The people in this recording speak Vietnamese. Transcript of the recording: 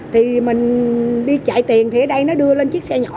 thì mình đi chạy tiền thì ở đây nó đưa lên chiếc xe nhỏ